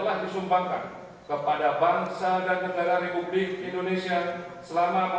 lalu kebangsaan indonesia baik